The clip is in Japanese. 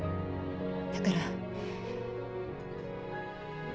だから。